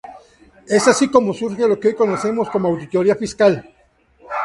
Es así como surge lo que hoy conocemos como auditoría fiscal.